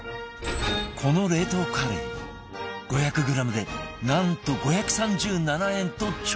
この冷凍カレイ５００グラムでなんと５３７円と超激安